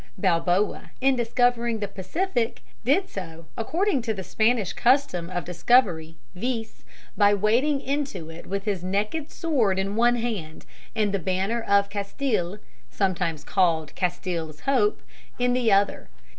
Balboa, in discovering the Pacific, did so according to the Spanish custom of discovery, viz., by wading into it with his naked sword in one hand and the banner of Castile, sometimes called Castile's hope (see Appendix), in the other.